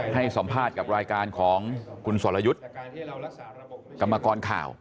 ให้สัมภาษณ์กับรายการของคุณสรยุทธ์กรรมกรข่าว